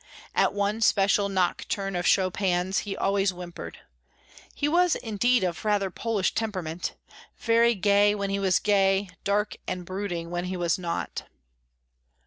At one special Nocturne of Chopin's he always whimpered. He was, indeed, of rather Polish temperament—very gay when he was gay, dark and brooding when he was not.